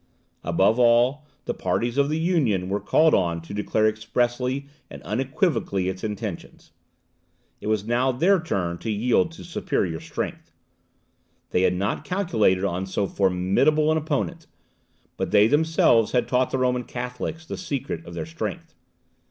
Above all, the parties to the Union were called on to declare expressly and unequivocally its intentions. It was now their turn to yield to superior strength. They had not calculated on so formidable an opponent; but they themselves had taught the Roman Catholics the secret of their strength.